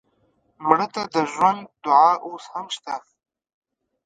مړه ته د ژوند دعا اوس هم شته